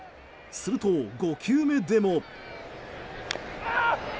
すると、５球目でも。